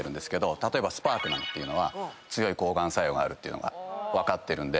例えばＳＰＡＲＣなんていうのは強い抗がん作用があるのが分かってるんで。